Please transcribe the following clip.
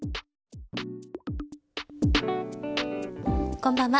こんばんは。